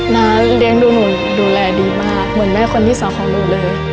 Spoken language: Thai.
เลี้ยงดูหนูดูแลดีมากเหมือนแม่คนที่สองของหนูเลย